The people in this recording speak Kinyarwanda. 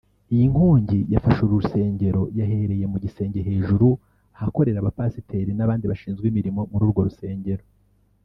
Iyi nkongi yafashe uru rusengero yahereye mu gisenge hejuru ahakorera abapasiteri n’abandi bashinzwe imirimo muri urwo rusengero